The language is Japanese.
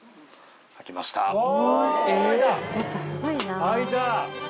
お開いた。